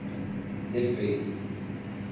defeito